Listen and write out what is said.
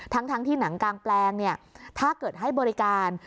ทั้งที่หนังกางแปลงถ้าเกิดให้บริการ